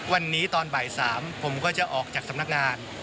วันนี้ตอนบ่าย๓ผมก็จะออกจากสำนักงาน